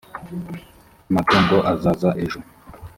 amatungo azaza ejo